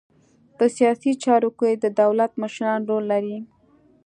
په سیاسي چارو کې د دولت مشران رول لري